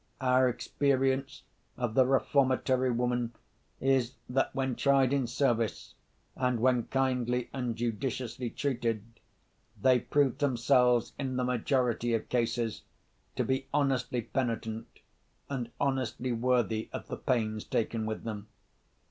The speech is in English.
Our experience of the Reformatory woman is, that when tried in service—and when kindly and judiciously treated—they prove themselves in the majority of cases to be honestly penitent, and honestly worthy of the pains taken with them.